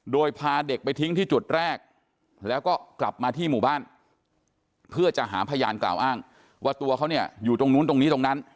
โดยพาเด็กไปทิ้งที่จุดแรกแล้วก็กลับมาที่หมู่บ้านเพื่อจะหาพยานกล่าวอ้างว่าตัวเขาเนี่ยอยู่ตรงนู้นตรงนี้ตรงนั้น